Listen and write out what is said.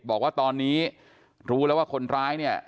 บอกว่าตอนนี้รู้แล้วว่าคนร้ายเนี่ย